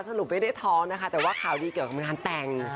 สรุปไม่ได้ท้องแต่ว่าคราวดีของบริมานแต่ง